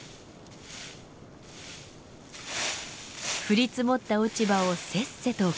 降り積もった落ち葉をせっせとかき集めます。